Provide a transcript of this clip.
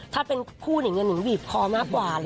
ถ้าเป็นผู้หนิงก็หนิงบีบพอมากกว่า